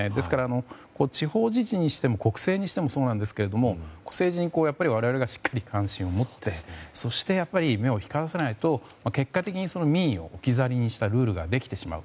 地方自治にしても国政にしてもそうなんですけど政治に我々がしっかり関心を持ってそして目を光らせないと結果的に民意を置き去りにしたルールができてしまう。